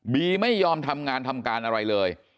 ไม่ยอมทำงานทำการอะไรเลย